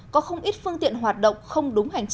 có không ít phương tiện hoạt động không đúng hành trình